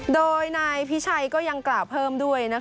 โดยนายพิชัยก็ยังกล่าวเพิ่มด้วย